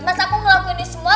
mas aku ngelakuin ini semua